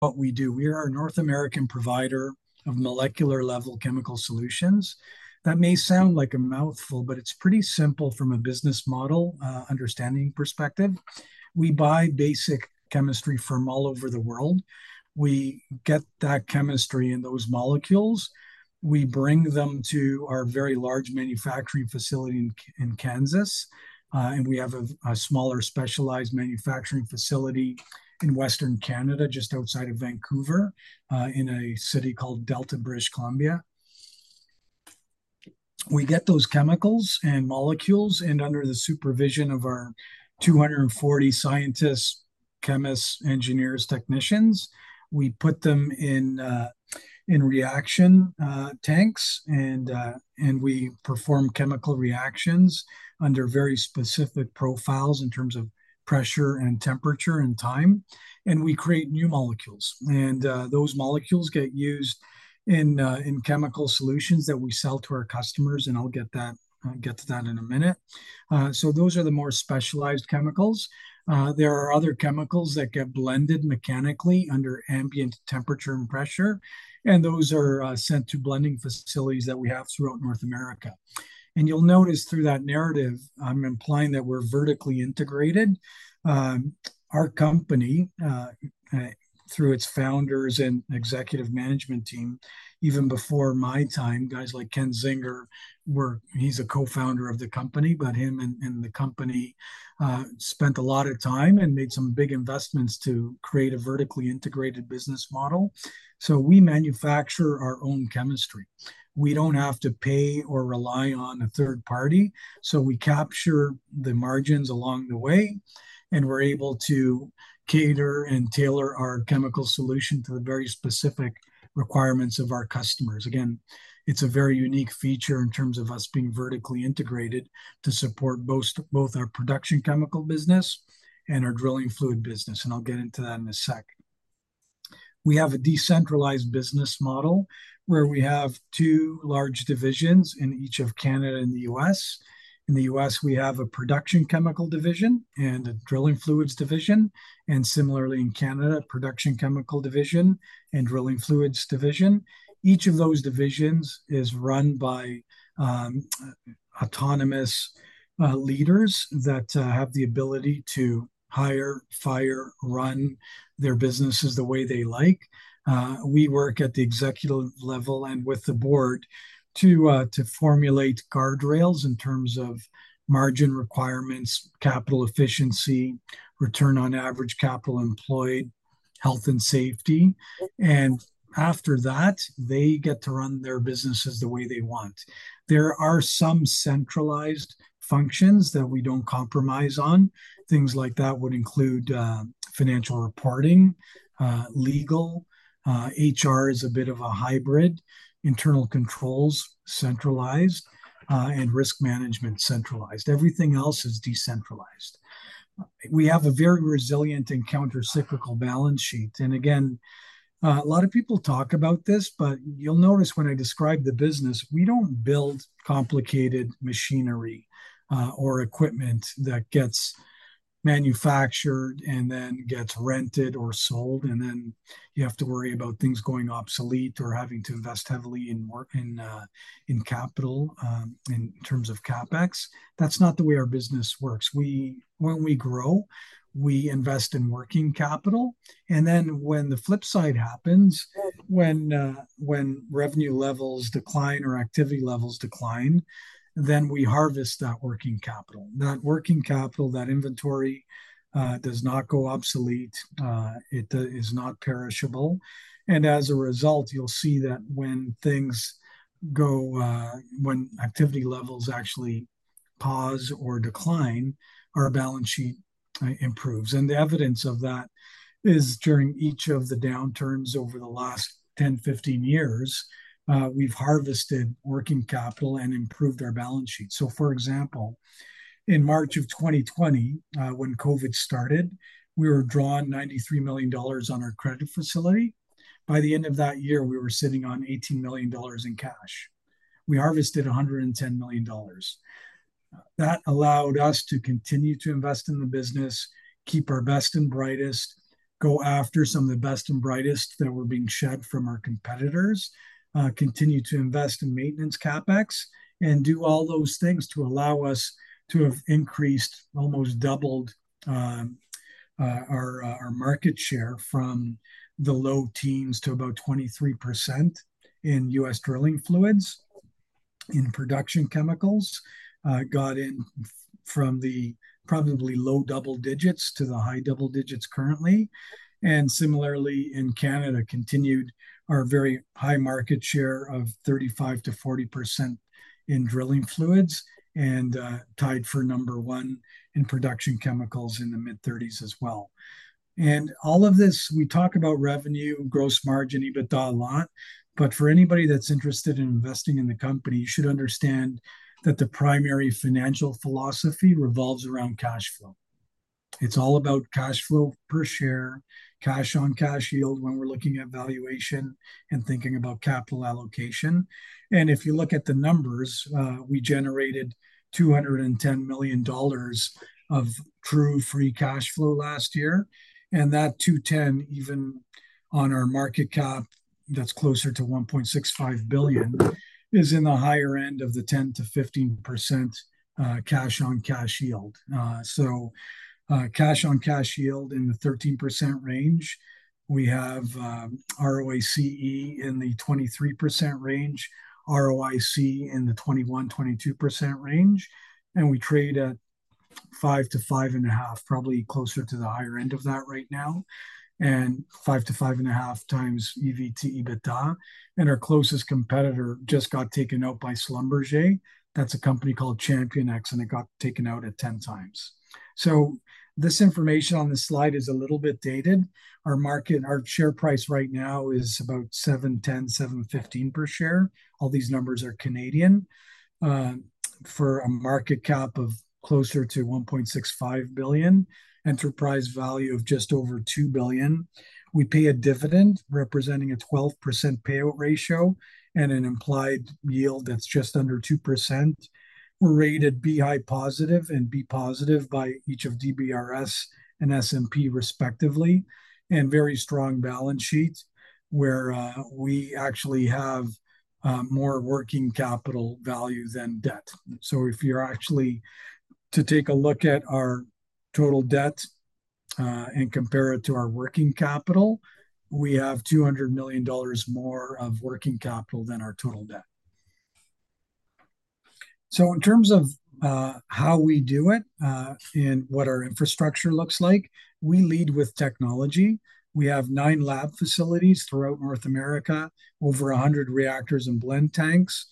What we do. We are a North American provider of molecular-level chemical solutions. That may sound like a mouthful, but it's pretty simple from a business model, understanding perspective. We buy basic chemistry from all over the world. We get that chemistry and those molecules, we bring them to our very large manufacturing facility in Kansas, and we have a smaller specialized manufacturing facility in Western Canada, just outside of Vancouver, in a city called Delta, British Columbia. We get those chemicals and molecules, and under the supervision of our 240 scientists, chemists, engineers, technicians, we put them in reaction tanks, and we perform chemical reactions under very specific profiles in terms of pressure and temperature and time, and we create new molecules. Those molecules get used in chemical solutions that we sell to our customers, and I'll get to that in a minute. So those are the more specialized chemicals. There are other chemicals that get blended mechanically under ambient temperature and pressure, and those are sent to blending facilities that we have throughout North America. You'll notice through that narrative, I'm implying that we're vertically integrated. Our company, through its founders and executive management team, even before my time, guys like Ken Zinger were—he's a co-founder of the company, but him and the company spent a lot of time and made some big investments to create a vertically integrated business model. So we manufacture our own chemistry. We don't have to pay or rely on a third party, so we capture the margins along the way, and we're able to cater and tailor our chemical solution to the very specific requirements of our customers. Again, it's a very unique feature in terms of us being vertically integrated to support both, both our production chemical business and our drilling fluid business, and I'll get into that in a sec. We have a decentralized business model, where we have two large divisions in each of Canada and the U.S. In the U.S., we have a production chemical division and a drilling fluids division, and similarly in Canada, a production chemical division and drilling fluids division. Each of those divisions is run by autonomous leaders that have the ability to hire, fire, run their businesses the way they like. We work at the executive level and with the board to formulate guardrails in terms of margin requirements, capital efficiency, Return on Average Capital Employed, health and safety, and after that, they get to run their businesses the way they want. There are some centralized functions that we don't compromise on. Things like that would include, financial reporting, legal, HR is a bit of a hybrid, internal controls, centralized, and risk management, centralized. Everything else is decentralized. We have a very resilient and countercyclical balance sheet. Again, a lot of people talk about this, but you'll notice when I describe the business, we don't build complicated machinery, or equipment that gets manufactured and then gets rented or sold, and then you have to worry about things going obsolete or having to invest heavily in capital, in terms of CapEx. That's not the way our business works. When we grow, we invest in working capital, and then when the flip side happens, when revenue levels decline or activity levels decline, then we harvest that working capital. That working capital, that inventory, does not go obsolete. It is not perishable, and as a result, you'll see that when things go, when activity levels actually pause or decline, our balance sheet improves. The evidence of that is during each of the downturns over the last 10, 15 years, we've harvested working capital and improved our balance sheet. So, for example, in March of 2020, when COVID started, we were drawn $93 million on our credit facility. By the end of that year, we were sitting on $18 million in cash. We harvested $110 million. That allowed us to continue to invest in the business, keep our best and brightest, go after some of the best and brightest that were being shed from our competitors, continue to invest in maintenance CapEx, and do all those things to allow us to have increased, almost doubled, our market share from the low teens to about 23% in U.S. drilling fluids. In production chemicals, got in from the probably low double digits to the high double digits currently, and similarly in Canada, continued our very high market share of 35%-40% in drilling fluids and, tied for number one in production chemicals in the mid-30s as well. All of this, we talk about revenue, gross margin, EBITDA a lot, but for anybody that's interested in investing in the company, you should understand that the primary financial philosophy revolves around cash flow. It's all about cash flow per share, cash-on-cash yield when we're looking at valuation and thinking about capital allocation. If you look at the numbers, we generated 210 million dollars of true free cash flow last year, and that 210, even on our market cap, that's closer to 1.65 billion, is in the higher end of the 10%-15% cash-on-cash yield. So, cash-on-cash yield in the 13% range. We have ROACE in the 23% range, ROIC in the 21%-22% range, and we trade at 5-5.5, probably closer to the higher end of that right now, and 5-5.5x EV to EBITDA. And our closest competitor just got taken out by Schlumberger. That's a company called ChampionX, and it got taken out at 10x. So this information on this slide is a little bit dated. Our market, our share price right now is about 7.10-7.15 per share, all these numbers are Canadian, for a market cap of closer to 1.65 billion, enterprise value of just over 2 billion. We pay a dividend representing a 12% payout ratio and an implied yield that's just under 2%. We're rated B ( positive and B positive by each of DBRS and S&P, respectively, and very strong balance sheet, where we actually have more working capital value than debt. So if you're actually to take a look at our total debt and compare it to our working capital, we have 200 million dollars more of working capital than our total debt. So in terms of how we do it and what our infrastructure looks like, we lead with technology. We have nine lab facilities throughout North America, over 100 reactors and blend tanks,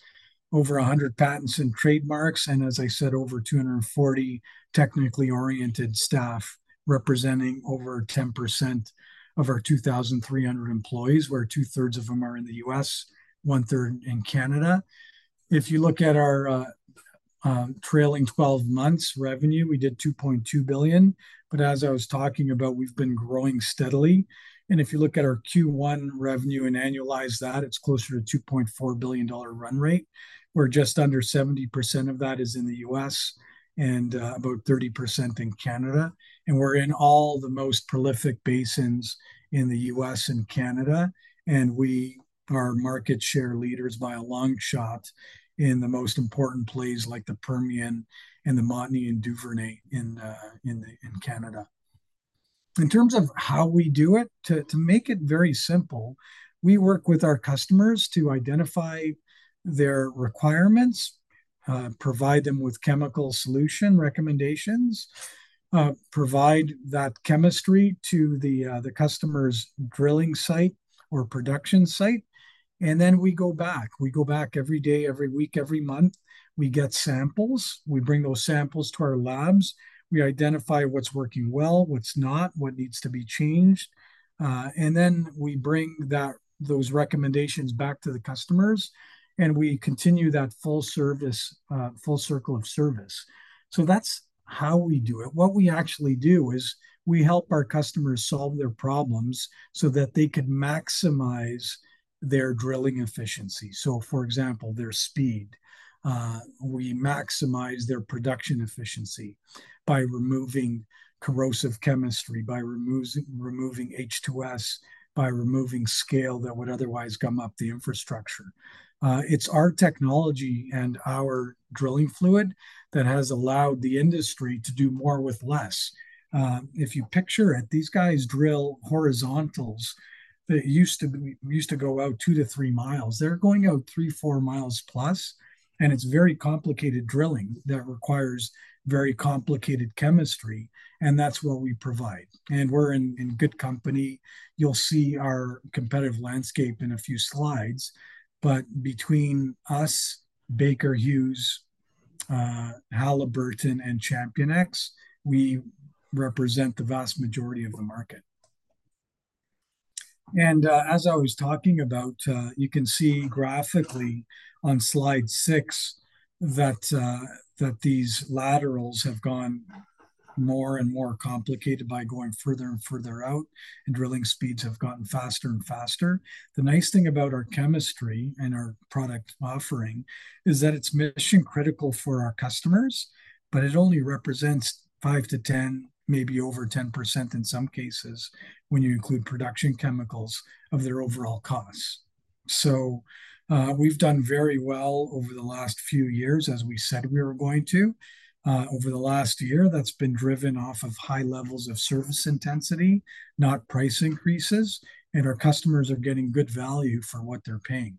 over 100 patents and trademarks, and as I said, over 240 technically oriented staff, representing over 10% of our 2,300 employees, where two-thirds of them are in the U.S., one-third in Canada. If you look at our trailing twelve months revenue, we did $2.2 billion. But as I was talking about, we've been growing steadily, and if you look at our Q1 revenue and annualize that, it's closer to a $2.4 billion run rate, where just under 70% of that is in the U.S. and about 30% in Canada. We're in all the most prolific basins in the U.S. and Canada, and we are market share leaders by a long shot in the most important plays, like the Permian and the Montney and Duvernay in Canada. In terms of how we do it, to make it very simple, we work with our customers to identify their requirements, provide them with chemical solution recommendations, provide that chemistry to the customer's drilling site or production site, and then we go back. We go back every day, every week, every month. We get samples. We bring those samples to our labs. We identify what's working well, what's not, what needs to be changed, and then we bring those recommendations back to the customers, and we continue that full service, full circle of service. So that's how we do it. What we actually do is we help our customers solve their problems so that they could maximize their drilling efficiency, so, for example, their speed. We maximize their production efficiency by removing corrosive chemistry, by removing H2S, by removing scale that would otherwise gum up the infrastructure. It's our technology and our drilling fluid that has allowed the industry to do more with less. If you picture it, these guys drill horizontals that used to go out 2-3 miles. They're going out 3-4 miles plus, and it's very complicated drilling that requires very complicated chemistry, and that's what we provide, and we're in good company. You'll see our competitive landscape in a few slides, but between us, Baker Hughes, Halliburton and ChampionX, we represent the vast majority of the market. As I was talking about, you can see graphically on slide six that these laterals have gone more and more complicated by going further and further out, and drilling speeds have gotten faster and faster. The nice thing about our chemistry and our product offering is that it's mission-critical for our customers, but it only represents 5-10, maybe over 10% in some cases, when you include production chemicals, of their overall costs. So, we've done very well over the last few years, as we said we were going to. Over the last year, that's been driven off of high levels of service intensity, not price increases, and our customers are getting good value for what they're paying.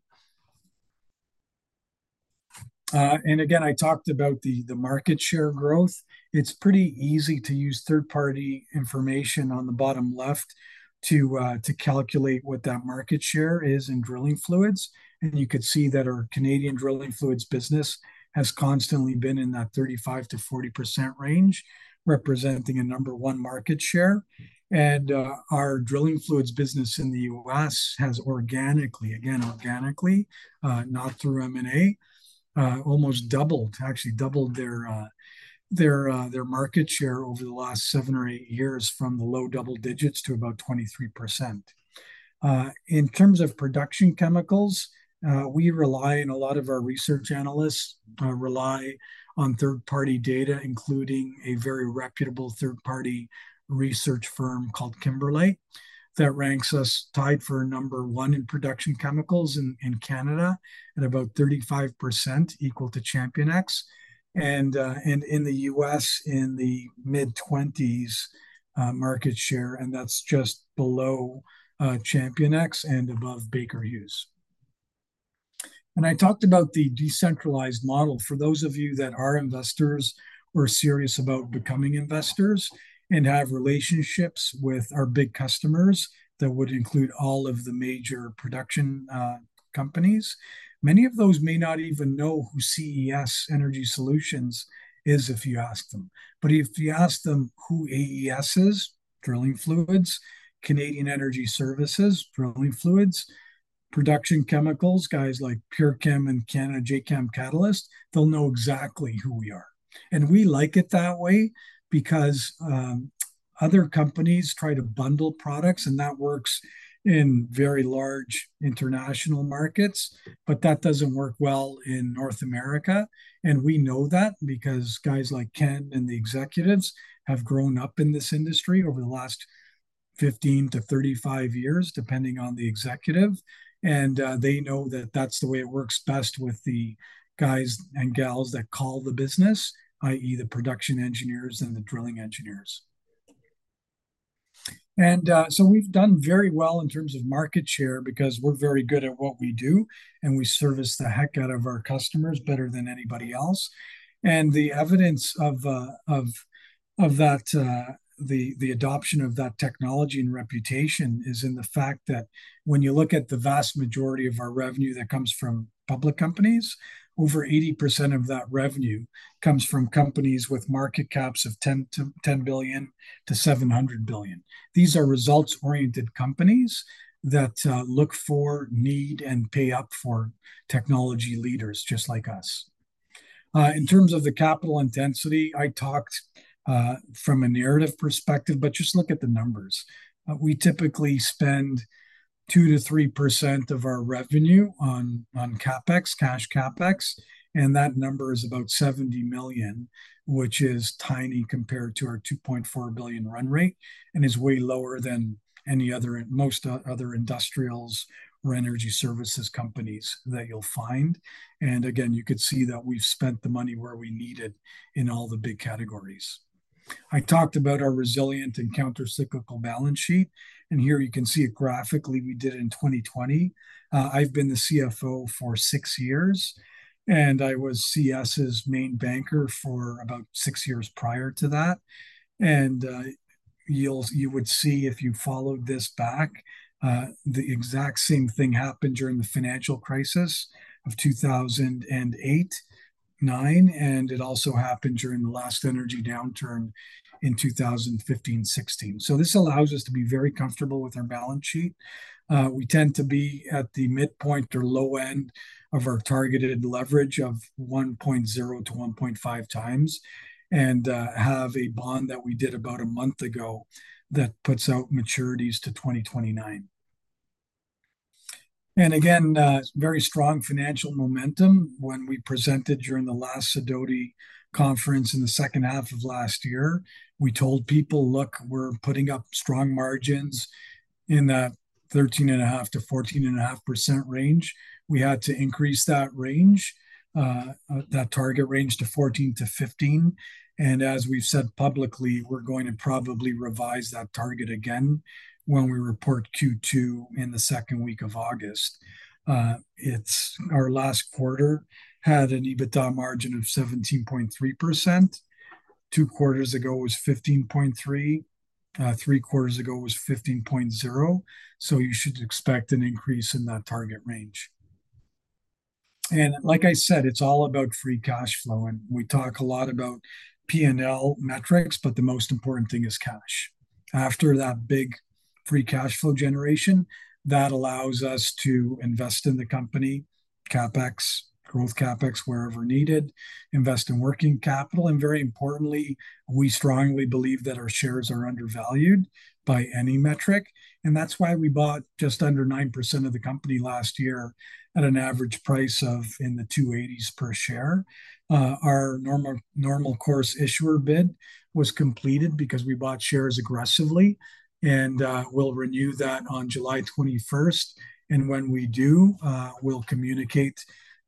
And again, I talked about the market share growth. It's pretty easy to use third-party information on the bottom left to, to calculate what that market share is in drilling fluids. You could see that our Canadian drilling fluids business has constantly been in that 35%-40% range, representing a number one market share. Our drilling fluids business in the U.S. has organically, again, organically, not through M&A, almost doubled, actually doubled their market share over the last seven or eight years, from the low double digits to about 23%. In terms of production chemicals, we rely, and a lot of our research analysts, rely on third-party data, including a very reputable third-party research firm called Kimberlite, that ranks us tied for number one in production chemicals in Canada, at about 35% equal to ChampionX. In the U.S., in the mid-20s market share, and that's just below ChampionX and above Baker Hughes. I talked about the decentralized model. For those of you that are investors or are serious about becoming investors and have relationships with our big customers, that would include all of the major production companies. Many of those may not even know who CES Energy Solutions is if you ask them. But if you ask them who AES is, drilling fluids, Canadian Energy Services, drilling fluids, production chemicals, guys like PureChem and JACAM Catalyst, they'll know exactly who we are. We like it that way because other companies try to bundle products, and that works in very large international markets, but that doesn't work well in North America. We know that because guys like Ken and the executives have grown up in this industry over the last 15-35 years, depending on the executive, and they know that that's the way it works best with the guys and gals that call the business, i.e., the production engineers and the drilling engineers. So we've done very well in terms of market share because we're very good at what we do, and we service the heck out of our customers better than anybody else. The evidence of that adoption of that technology and reputation is in the fact that when you look at the vast majority of our revenue that comes from public companies, over 80% of that revenue comes from companies with market caps of $10 billion-$700 billion. These are results-oriented companies that look for, need, and pay up for technology leaders just like us. In terms of the capital intensity, I talked from a narrative perspective, but just look at the numbers. We typically spend 2%-3% of our revenue on CapEx, cash CapEx, and that number is about 70 million, which is tiny compared to our 2.4 billion run rate, and is way lower than any other most other industrials or energy services companies that you'll find. And again, you could see that we've spent the money where we need it in all the big categories. I talked about our resilient and countercyclical balance sheet, and here you can see it graphically. We did it in 2020. I've been the CFO for six years, and I was CES's main banker for about six years prior to that. And, you would see if you followed this back, the exact same thing happened during the financial crisis of 2008-2009, and it also happened during the last energy downturn in 2015-2016. So this allows us to be very comfortable with our balance sheet. We tend to be at the midpoint or low end of our targeted leverage of 1.0-1.5x, and, have a bond that we did about a month ago that puts out maturities to 2029. And again, very strong financial momentum. When we presented during the last Sidoti conference in the second half of last year, we told people, "Look, we're putting up strong margins in that 13.5%-14.5% range." We had to increase that range, that target range to 14%-15%. And as we've said publicly, we're going to probably revise that target again when we report Q2 in the second week of August. It's our last quarter had an EBITDA margin of 17.3%. Two quarters ago, it was 15.3%. Three quarters ago, it was 15.0%. So you should expect an increase in that target range. And like I said, it's all about free cash flow, and we talk a lot about P&L metrics, but the most important thing is cash. After that big free cash flow generation, that allows us to invest in the company, CapEx, growth CapEx, wherever needed, invest in working capital, and very importantly, we strongly believe that our shares are undervalued by any metric. That's why we bought just under 9% of the company last year at an average price of CAD 2.80s per share. Our normal course issuer bid was completed because we bought shares aggressively, and we'll renew that on July 21st. When we do, we'll communicate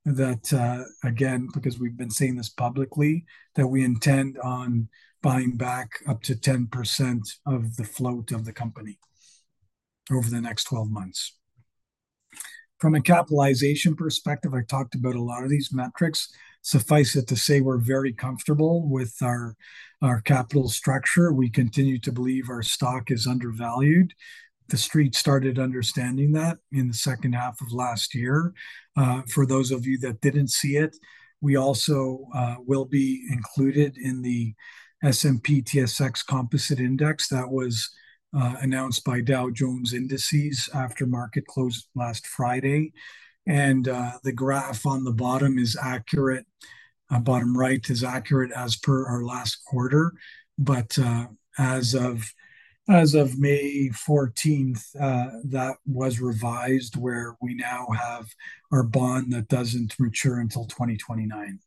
that again, because we've been saying this publicly, that we intend on buying back up to 10% of the float of the company... over the next 12 months. From a capitalization perspective, I talked about a lot of these metrics. Suffice it to say, we're very comfortable with our capital structure. We continue to believe our stock is undervalued. The Street started understanding that in the second half of last year. For those of you that didn't see it, we also will be included in the S&P/TSX Composite Index that was announced by Dow Jones Indices after market close last Friday. And, the graph on the bottom is accurate, bottom right is accurate as per our last quarter. But, as of May 14th, that was revised, where we now have our bond that doesn't mature until 2029.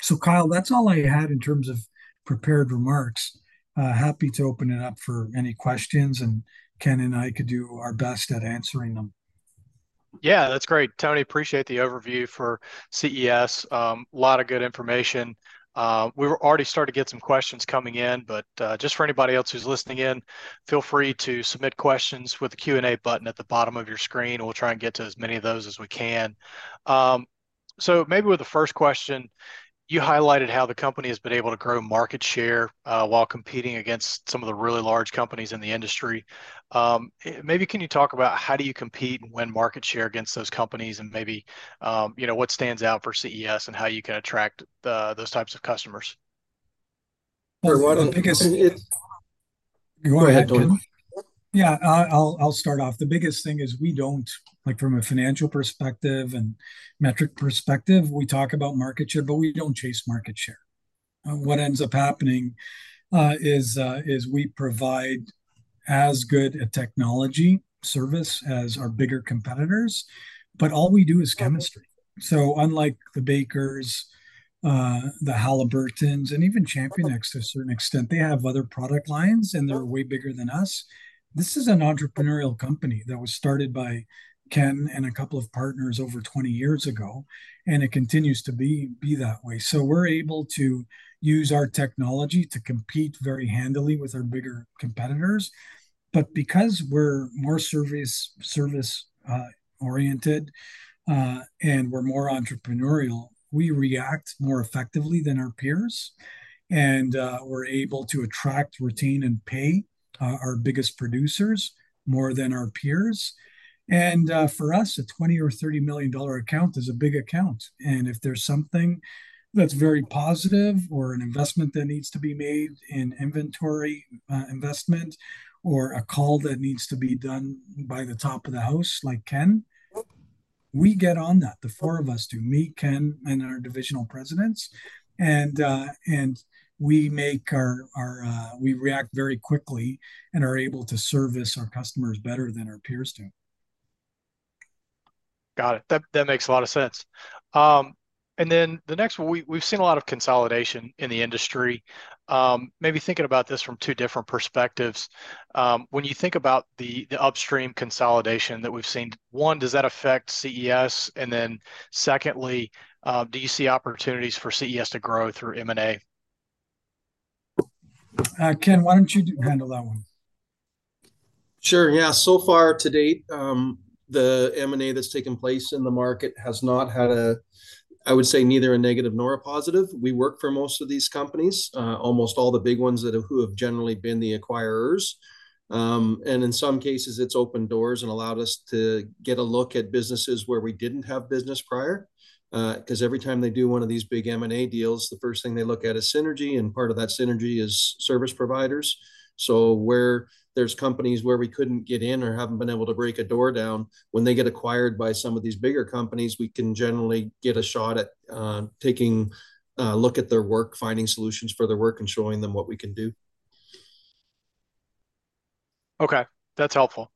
So Kyle, that's all I had in terms of prepared remarks. Happy to open it up for any questions, and Ken and I could do our best at answering them. Yeah, that's great, Tony. Appreciate the overview for CES. A lot of good information. We were already starting to get some questions coming in, but just for anybody else who's listening in, feel free to submit questions with the Q&A button at the bottom of your screen, and we'll try and get to as many of those as we can. So maybe with the first question, you highlighted how the company has been able to grow market share while competing against some of the really large companies in the industry. Maybe can you talk about how do you compete and win market share against those companies? And maybe you know what stands out for CES and how you can attract those types of customers? Well, the biggest- I think it's... Go ahead, Tony. Yeah, I'll start off. The biggest thing is we don't, like, from a financial perspective and metric perspective, we talk about market share, but we don't chase market share. What ends up happening is we provide as good a technology service as our bigger competitors, but all we do is chemistry. So unlike the Bakers, the Halliburton, and even ChampionX to a certain extent, they have other product lines, and they're way bigger than us. This is an entrepreneurial company that was started by Ken and a couple of partners over 20 years ago, and it continues to be that way. So we're able to use our technology to compete very handily with our bigger competitors. But because we're more service oriented, and we're more entrepreneurial, we react more effectively than our peers. We're able to attract, retain, and pay our biggest producers more than our peers. For us, a 20 million or 30 million dollar account is a big account, and if there's something that's very positive or an investment that needs to be made in inventory, investment, or a call that needs to be done by the top of the house, like Ken, we get on that. The four of us do, me, Ken, and our divisional presidents. We react very quickly and are able to service our customers better than our peers do. Got it. That makes a lot of sense. And then the next one, we've seen a lot of consolidation in the industry. Maybe thinking about this from two different perspectives, when you think about the upstream consolidation that we've seen, one, does that affect CES? And then secondly, do you see opportunities for CES to grow through M&A? Ken, why don't you handle that one? Sure. Yeah, so far to date, the M&A that's taken place in the market has not had a, I would say, neither a negative nor a positive. We work for most of these companies, almost all the big ones that, who have generally been the acquirers. And in some cases, it's opened doors and allowed us to get a look at businesses where we didn't have business prior. 'Cause every time they do one of these big M&A deals, the first thing they look at is synergy, and part of that synergy is service providers. Where there's companies where we couldn't get in or haven't been able to break a door down, when they get acquired by some of these bigger companies, we can generally get a shot at taking a look at their work, finding solutions for their work, and showing them what we can do. Okay, that's helpful.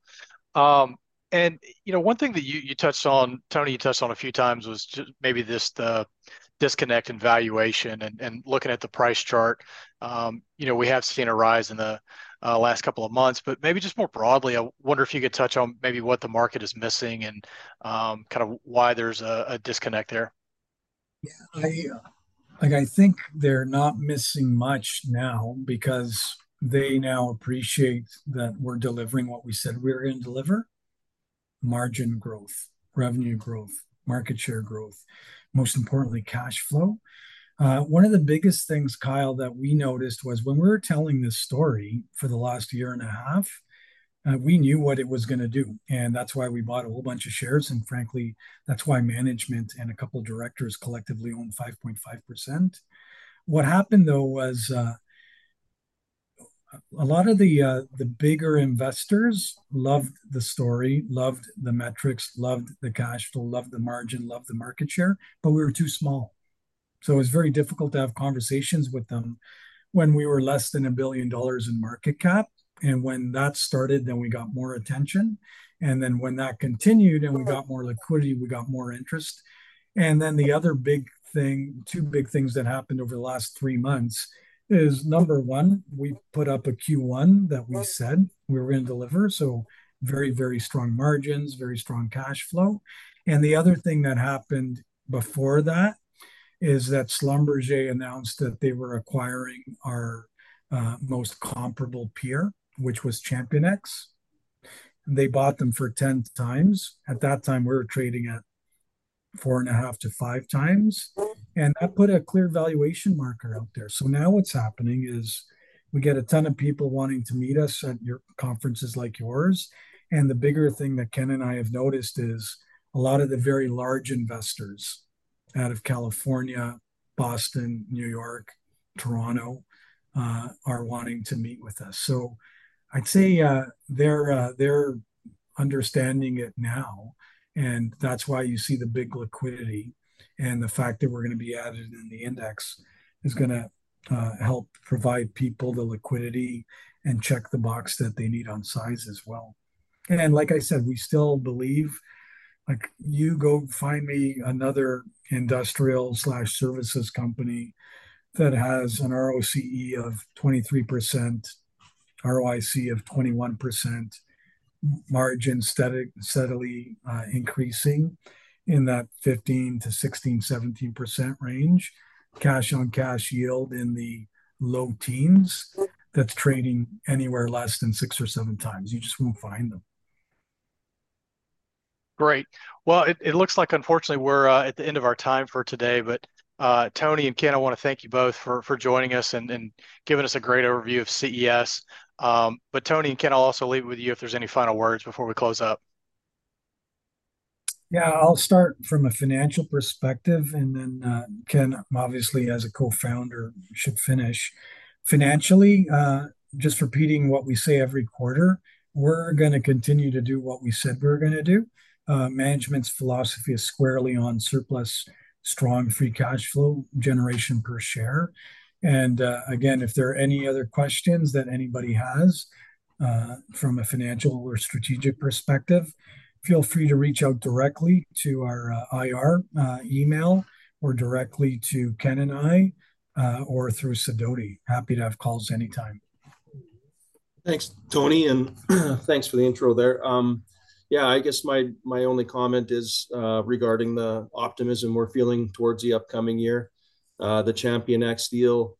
And, you know, one thing that you touched on, Tony, a few times was just maybe just the disconnect in valuation and looking at the price chart. You know, we have seen a rise in the last couple of months, but maybe just more broadly, I wonder if you could touch on maybe what the market is missing and kind of why there's a disconnect there. Yeah. I, like, I think they're not missing much now because they now appreciate that we're delivering what we said we were gonna deliver: margin growth, revenue growth, market share growth, most importantly, cash flow. One of the biggest things, Kyle, that we noticed was when we were telling this story for the last year and a half, we knew what it was gonna do, and that's why we bought a whole bunch of shares, and frankly, that's why management and a couple of directors collectively own 5.5%. What happened, though, was, a lot of the bigger investors loved the story, loved the metrics, loved the cash flow, loved the margin, loved the market share, but we were too small. So it was very difficult to have conversations with them when we were less than $1 billion in market cap. When that started, then we got more attention, and then when that continued and we got more liquidity, we got more interest. And then the other big thing, two big things that happened over the last three months is, number one, we've put up a Q1 that we said we were gonna deliver, so very, very strong margins, very strong cash flow. And the other thing that happened before that is that Schlumberger announced that they were acquiring our most comparable peer, which was ChampionX, and they bought them for 10x. At that time, we were trading at 4.5-5x, and that put a clear valuation marker out there. So now what's happening is we get a ton of people wanting to meet us at your conferences like yours, and the bigger thing that Ken and I have noticed is a lot of the very large investors out of California, Boston, New York, Toronto, are wanting to meet with us. So I'd say, they're understanding it now, and that's why you see the big liquidity. And the fact that we're gonna be added in the index is gonna help provide people the liquidity and check the box that they need on size as well. And like I said, we still believe, like, you go find me another industrial/services company that has an ROACE of 23%, ROIC of 21%, margin steadily increasing in that 15%-17% range, cash-on-cash yield in the low teens, that's trading anywhere less than 6 or 7 times. You just won't find them. Great. Well, it looks like unfortunately we're at the end of our time for today, but Tony and Ken, I wanna thank you both for joining us and giving us a great overview of CES. But Tony and Ken, I'll also leave it with you if there's any final words before we close up. Yeah, I'll start from a financial perspective, and then, Ken, obviously as a co-founder, should finish. Financially, just repeating what we say every quarter, we're gonna continue to do what we said we were gonna do. Management's philosophy is squarely on surplus, strong free cash flow generation per share. And, again, if there are any other questions that anybody has, from a financial or strategic perspective, feel free to reach out directly to our IR email, or directly to Ken and I, or through Sidoti. Happy to have calls anytime. Thanks, Tony, and thanks for the intro there. Yeah, I guess my only comment is regarding the optimism we're feeling towards the upcoming year. The ChampionX deal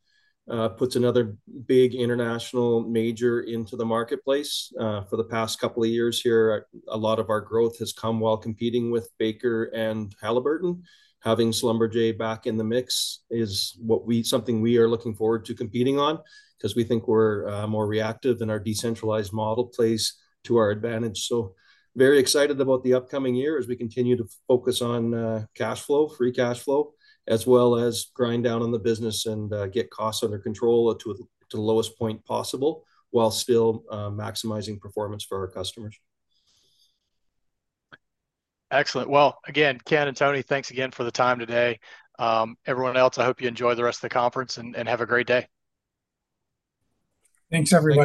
puts another big international major into the marketplace. For the past couple of years here, a lot of our growth has come while competing with Baker and Halliburton. Having Schlumberger back in the mix is what we... Something we are looking forward to competing on, 'cause we think we're more reactive, and our decentralized model plays to our advantage. So very excited about the upcoming year as we continue to focus on cash flow, free cash flow, as well as grind down on the business and get costs under control to the lowest point possible, while still maximizing performance for our customers. Excellent. Well, again, Ken and Tony, thanks again for the time today. Everyone else, I hope you enjoy the rest of the conference, and have a great day. Thanks, everybody.